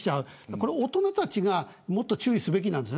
これは大人たちがもっと注意すべきなんです。